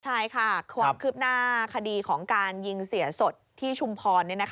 ใช่ค่ะความคืบหน้าคดีของการยิงเสียสดที่ชุมพร